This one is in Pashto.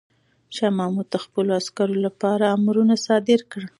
شاه محمود د خپلو عسکرو لپاره امرونه صادر کړل.